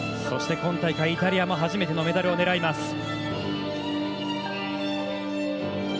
そして、今大会イタリアも初めてのメダルを狙います。